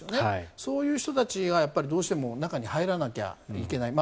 そういう人たちがどうしても中に入らなきゃいけない。